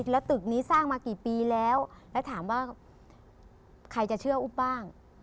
แล้วตึกนี้สร้างมากี่ปีแล้วแล้วถามว่าใครจะเชื่ออุ๊บบ้าง